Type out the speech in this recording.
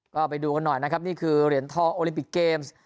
ก็ไปดูกันหน่อยนะครับนี่คือเหรียญทองโอลิมปิกเกมส์